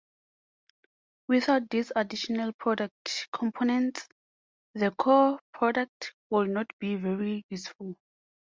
Without these additional product components, the core product would not be very useful.